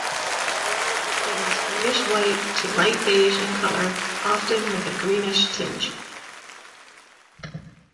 It is greyish-white to light beige in colour, often with a greenish tinge.